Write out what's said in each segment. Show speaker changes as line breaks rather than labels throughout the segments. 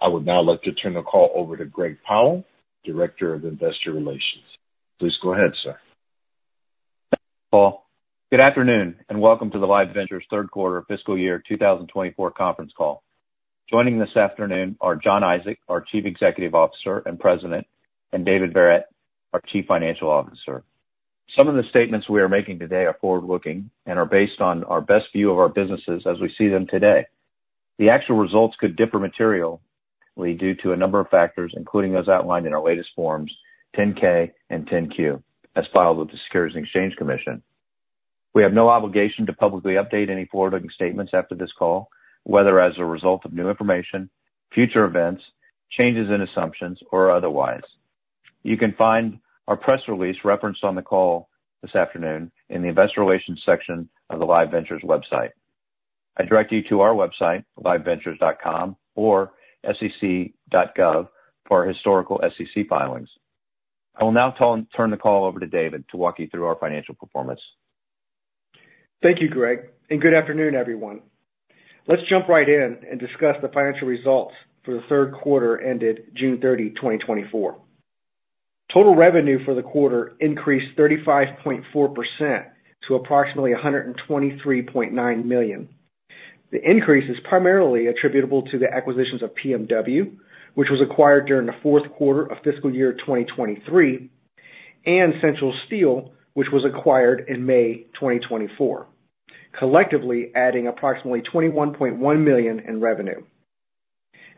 I would now like to turn the call over to Greg Powell, Director of Investor Relations. Please go ahead, sir.
Thanks, Paul. Good afternoon, and welcome to the Live Ventures third quarter fiscal year 2024 conference call. Joining this afternoon are Jon Isaac, our Chief Executive Officer and President, and David Verret, our Chief Financial Officer. Some of the statements we are making today are forward-looking and are based on our best view of our businesses as we see them today. The actual results could differ materially due to a number of factors, including those outlined in our latest Form 10-K and 10-Q, as filed with the Securities and Exchange Commission. We have no obligation to publicly update any forward-looking statements after this call, whether as a result of new information, future events, changes in assumptions, or otherwise. You can find our press release referenced on the call this afternoon in the Investor Relations section of the Live Ventures website. I direct you to our website, liveventures.com, or sec.gov for historical SEC filings. I will now turn the call over to David to walk you through our financial performance.
Thank you, Greg, and good afternoon, everyone. Let's jump right in and discuss the financial results for the third quarter ended June 30, 2024. Total revenue for the quarter increased 35.4% to approximately $123.9 million. The increase is primarily attributable to the acquisitions of PMW, which was acquired during the fourth quarter of fiscal year 2023, and Central Steel, which was acquired in May 2024, collectively adding approximately $21.1 million in revenue.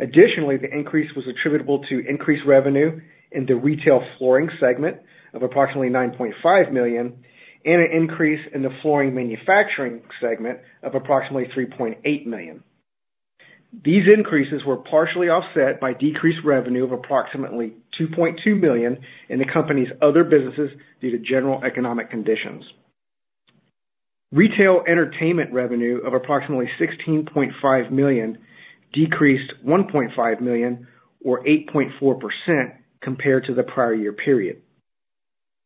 Additionally, the increase was attributable to increased revenue in the retail flooring segment of approximately $9.5 million, and an increase in the flooring manufacturing segment of approximately $3.8 million. These increases were partially offset by decreased revenue of approximately $2.2 million in the company's other businesses due to general economic conditions. Retail entertainment revenue of approximately $16.5 million decreased $1.5 million, or 8.4%, compared to the prior year period.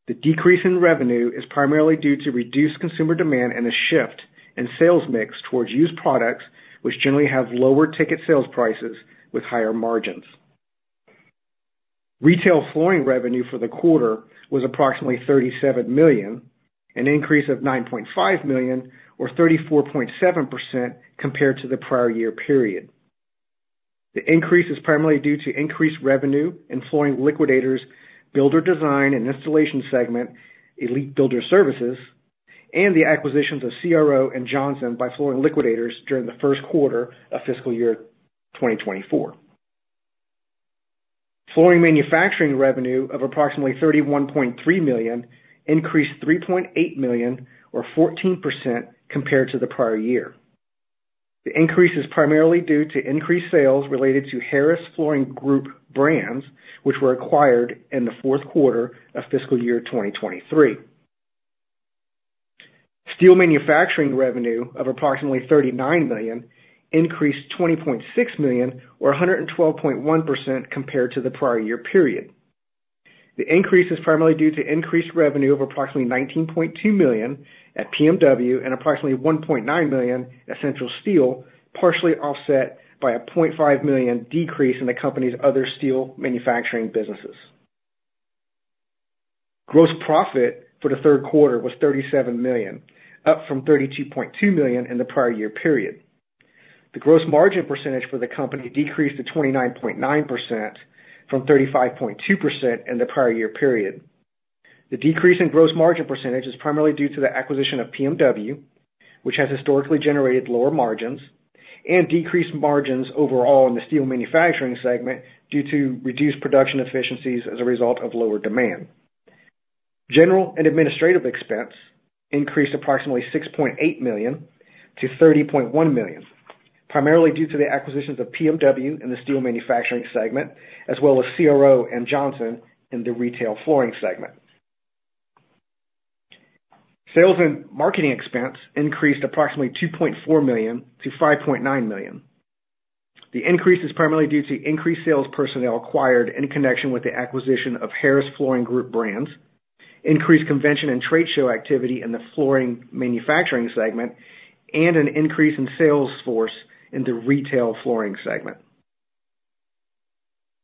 The decrease in revenue is primarily due to reduced consumer demand and a shift in sales mix towards used products, which generally have lower ticket sales prices with higher margins. Retail flooring revenue for the quarter was approximately $37 million, an increase of $9.5 million, or 34.7% compared to the prior year period. The increase is primarily due to increased revenue in Flooring Liquidators builder design and installation segment, Elite Builder Services, and the acquisitions of CRO and Johnson by Flooring Liquidators during the first quarter of fiscal year 2024. Flooring manufacturing revenue of approximately $31.3 million increased $3.8 million, or 14%, compared to the prior year. The increase is primarily due to increased sales related to Harris Flooring Group brands, which were acquired in the fourth quarter of fiscal year 2023. Steel manufacturing revenue of approximately $39 million increased $20.6 million, or 112.1%, compared to the prior year period. The increase is primarily due to increased revenue of approximately $19.2 million at PMW and approximately $1.9 million at Central Steel, partially offset by a $0.5 million decrease in the company's other steel manufacturing businesses. Gross profit for the third quarter was $37 million, up from $32.2 million in the prior year period. The gross margin percentage for the company decreased to 29.9% from 35.2% in the prior year period.
The decrease in gross margin percentage is primarily due to the acquisition of PMW, which has historically generated lower margins, and decreased margins overall in the steel manufacturing segment due to reduced production efficiencies as a result of lower demand. General and administrative expense increased approximately $6.8 million to $30.1 million, primarily due to the acquisitions of PMW in the steel manufacturing segment, as well as CRO and Johnson in the retail flooring segment. Sales and marketing expense increased approximately $2.4 million to $5.9 million. The increase is primarily due to increased sales personnel acquired in connection with the acquisition of Harris Flooring Group brands, increased convention and trade show activity in the flooring manufacturing segment, and an increase in sales force in the retail flooring segment.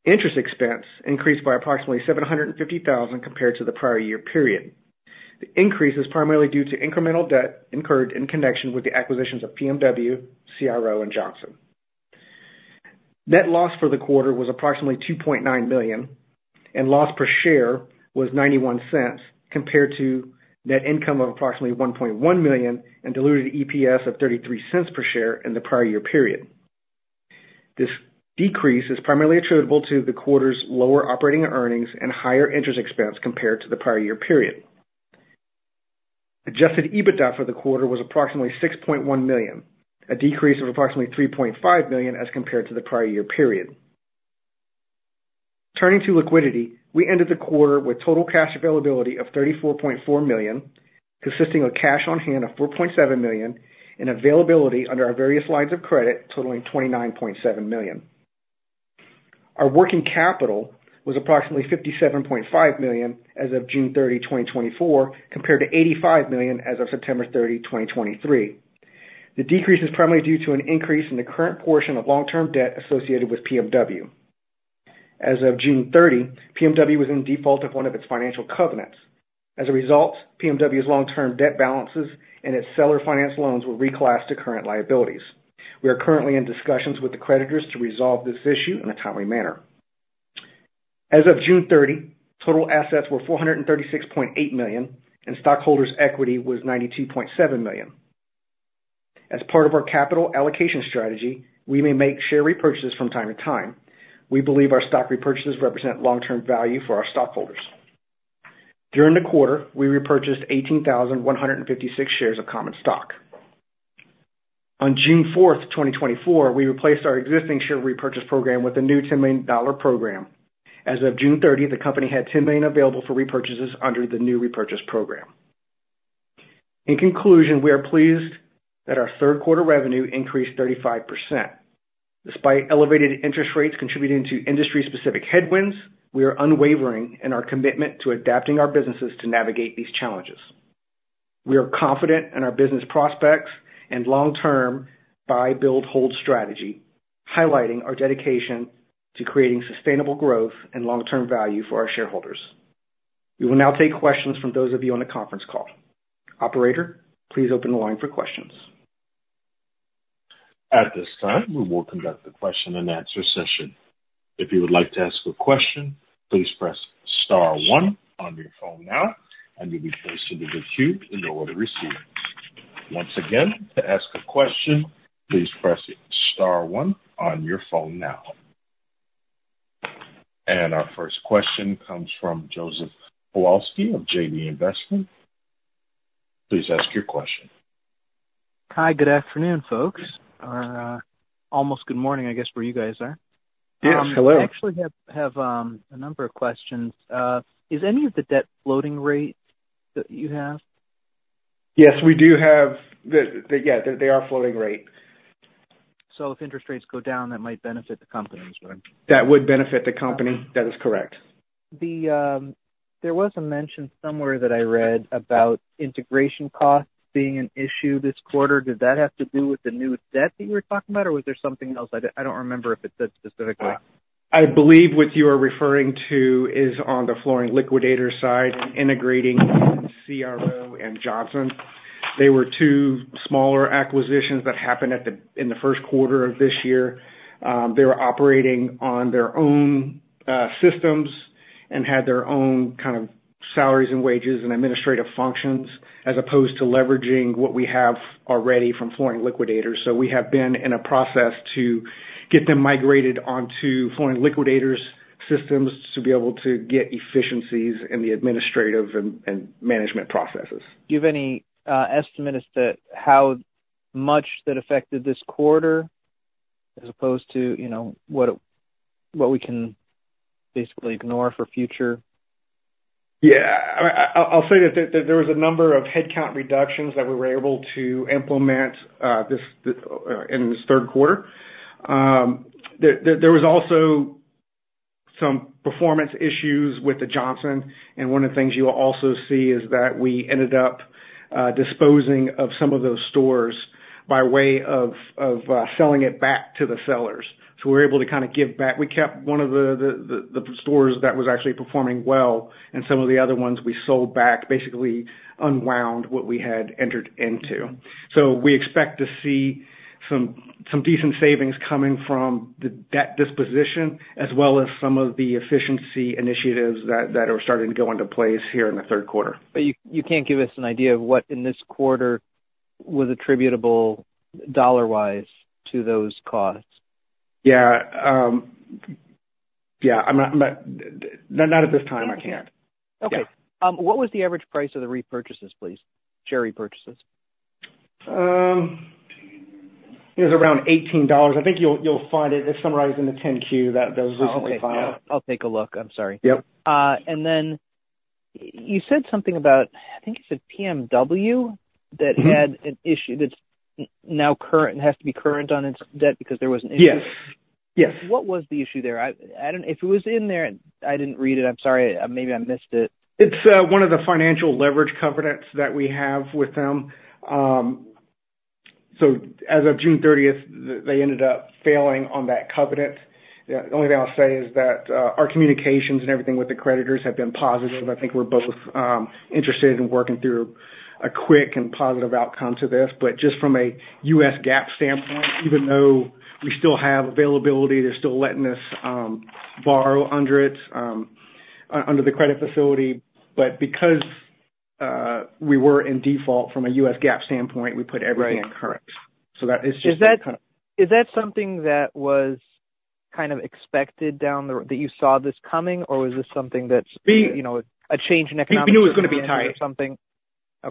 Interest expense increased by approximately $750,000 compared to the prior year period. The increase is primarily due to incremental debt incurred in connection with the acquisitions of PMW, CRO, and Johnson. Net loss for the quarter was approximately $2.9 million, and loss per share was $0.91, compared to net income of approximately $1.1 million and diluted EPS of $0.33 per share in the prior year period. This decrease is primarily attributable to the quarter's lower operating earnings and higher interest expense compared to the prior year period. Adjusted EBITDA for the quarter was approximately $6.1 million, a decrease of approximately $3.5 million as compared to the prior year period. Turning to liquidity, we ended the quarter with total cash availability of $34.4 million, consisting of cash on hand of $4.7 million, and availability under our various lines of credit totaling $29.7 million. Our working capital was approximately $57.5 million as of June 30, 2024, compared to $85 million as of September 30, 2023. The decrease is primarily due to an increase in the current portion of long-term debt associated with PMW. As of June 30, PMW was in default of one of its financial covenants. As a result, PMW's long-term debt balances and its seller finance loans were reclassed to current liabilities. We are currently in discussions with the creditors to resolve this issue in a timely manner. As of June 30, total assets were $436.8 million, and stockholders' equity was $92.7 million. As part of our capital allocation strategy, we may make share repurchases from time to time. We believe our stock repurchases represent long-term value for our stockholders. During the quarter, we repurchased 18,156 shares of common stock. On June 4, 2024, we replaced our existing share repurchase program with a new $10 million program. As of June 30, the company had $10 million available for repurchases under the new repurchase program. In conclusion, we are pleased that our third quarter revenue increased 35%. Despite elevated interest rates contributing to industry-specific headwinds, we are unwavering in our commitment to adapting our businesses to navigate these challenges. We are confident in our business prospects and long-term buy, build, hold strategy, highlighting our dedication to creating sustainable growth and long-term value for our shareholders. We will now take questions from those of you on the conference call. Operator, please open the line for questions.
At this time, we will conduct a question-and-answer session. If you would like to ask a question, please press star one on your phone now, and you'll be placed into the queue in the order received. Once again, to ask a question, please press star one on your phone now. And our first question comes from Joseph Kowalski of JD Investment. Please ask your question.
Hi, good afternoon, folks. Almost good morning, I guess, where you guys are.
Yes, hello.
I actually have a number of questions. Is any of the debt floating rates that you have?
Yes, we do have, yeah, they are floating rate.
So if interest rates go down, that might benefit the company as well?
That would benefit the company. That is correct.
There was a mention somewhere that I read about integration costs being an issue this quarter. Did that have to do with the new debt that you were talking about, or was there something else? I don't remember if it said specifically.
I believe what you are referring to is on the Flooring Liquidators side, integrating CRO and Johnson. They were two smaller acquisitions that happened in the first quarter of this year. They were operating on their own systems and had their own kind of salaries and wages and administrative functions, as opposed to leveraging what we have already from Flooring Liquidators. So we have been in a process to get them migrated onto Flooring Liquidators' systems to be able to get efficiencies in the administrative and management processes.
Do you have any estimate as to how much that affected this quarter as opposed to, you know, what we can basically ignore for future?
Yeah. I'll say that there was a number of headcount reductions that we were able to implement in this third quarter. There was also some performance issues with the Johnson, and one of the things you will also see is that we ended up disposing of some of those stores by way of selling it back to the sellers. So we're able to kind of give back. We kept one of the stores that was actually performing well, and some of the other ones we sold back, basically unwound what we had entered into. So we expect to see some decent savings coming from the debt disposition, as well as some of the efficiency initiatives that are starting to go into place here in the third quarter.
But you can't give us an idea of what in this quarter was attributable dollar-wise to those costs?
Yeah, yeah, I'm not at this time, I can't.
Okay.
Yeah.
What was the average price of the repurchases, please? Share repurchases.
It was around $18. I think you'll find it. It's summarized in the 10-Q that was recently filed.
I'll take a look. I'm sorry.
Yep.
and then you said something about, I think you said PMW-
Mm-hmm.
that had an issue that's now current and has to be current on its debt because there was an issue.
Yes. Yes.
What was the issue there? I don't... If it was in there, I didn't read it. I'm sorry, maybe I missed it.
It's one of the financial leverage covenants that we have with them. So as of June thirtieth, they ended up failing on that covenant. The only thing I'll say is that our communications and everything with the creditors have been positive. I think we're both interested in working through a quick and positive outcome to this, but just from a U.S. GAAP standpoint, even though we still have availability, they're still letting us borrow under it, under the credit facility. But because we were in default from a U.S. GAAP standpoint, we put everything in current.
Right.
That is just-
Is that something that was kind of expected down the r-- that you saw this coming, or was this something that's-
We-
You know, a change in economic or something?
We knew it was going to be tight.
Okay.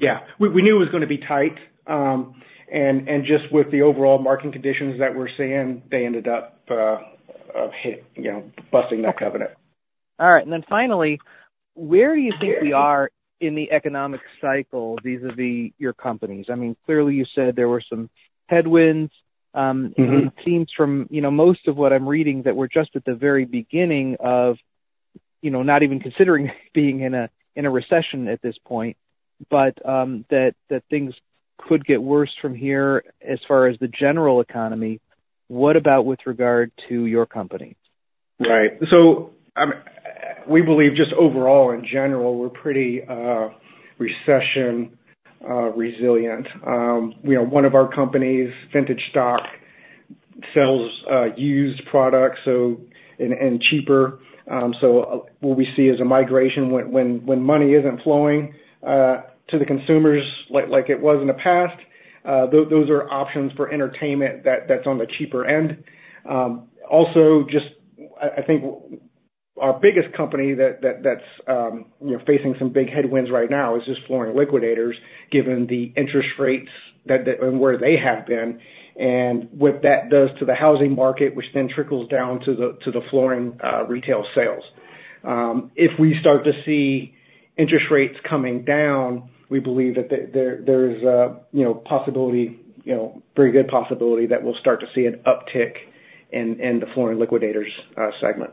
Yeah. We knew it was going to be tight, and just with the overall market conditions that we're seeing, they ended up, you know, busting that covenant.
All right. And then finally, where do you think we are in the economic cycle vis-à-vis your companies? I mean, clearly, you said there were some headwinds.
Mm-hmm.
It seems from, you know, most of what I'm reading, that we're just at the very beginning of, you know, not even considering being in a, in a recession at this point, but, that, that things could get worse from here as far as the general economy. What about with regard to your company?
Right. So, we believe just overall in general, we're pretty recession resilient. You know, one of our companies, Vintage Stock, sells used products, so and cheaper. So what we see is a migration when money isn't flowing to the consumers like it was in the past, those are options for entertainment that's on the cheaper end. Also, just I think our biggest company that's you know, facing some big headwinds right now is just Flooring Liquidators, given the interest rates and where they have been, and what that does to the housing market, which then trickles down to the flooring retail sales. If we start to see interest rates coming down, we believe that there is a, you know, possibility, you know, very good possibility that we'll start to see an uptick in the Flooring Liquidators segment.